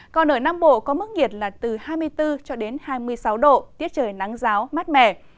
còn ở nam bộ có mức nhiệt là từ hai mươi bốn cho đến hai mươi sáu độ tiết trời nắng ráo mát mẻ